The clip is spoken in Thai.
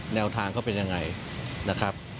แนวทางเขาเป็นยังไงนะครับ